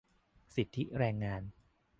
สิทธิแรงงาน